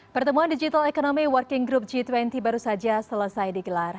pertemuan digital economy working group g dua puluh baru saja selesai digelar